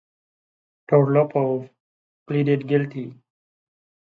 Torlopov pleaded guilty.